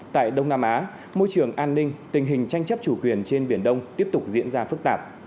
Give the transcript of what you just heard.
tại đông nam á môi trường an ninh tình hình tranh chấp chủ quyền trên biển đông tiếp tục diễn ra phức tạp